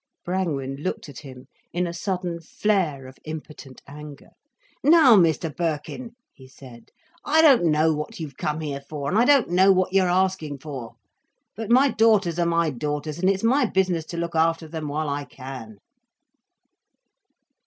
Brangwen looked at him in a sudden flare of impotent anger. "Now, Mr Birkin," he said, "I don't know what you've come here for, and I don't know what you're asking for. But my daughters are my daughters—and it's my business to look after them while I can."